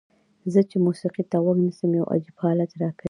زه چې موسیقۍ ته غوږ نیسم یو عجیب حالت راکوي.